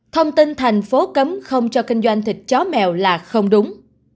thông tin thành phố cấm không cho kinh doanh thịt chó mèo là không đúng